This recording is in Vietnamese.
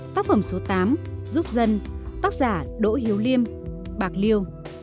tác phẩm số tám giúp dân tác giả đỗ hiếu liêm bạc liêu